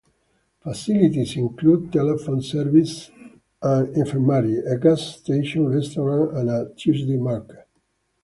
Facilities included telephone service, an infirmary, a gas station, restaurant, and a Tuesday market.